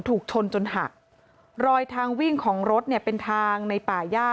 ถูกชนจนหักรอยทางวิ่งของรถเนี่ยเป็นทางในป่าย่า